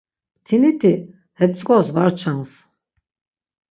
Mtiniti he mtzǩos var çans.